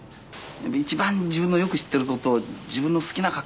「一番自分のよく知っている事を自分の好きな格好で書けば？」